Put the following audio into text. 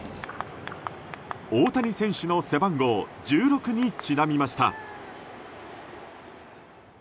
大谷選手の背番号１６にちなみました。